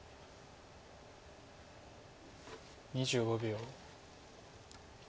２５秒。